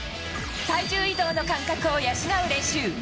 体重移動の感覚を養う練習。